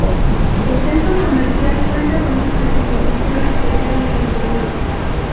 El centro comercial cuenta con una disposición especial en su interior.